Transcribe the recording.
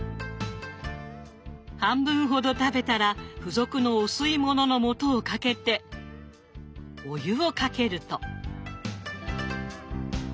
半分ほど食べたら付属のお吸いもののもとをかけてお湯をかけると。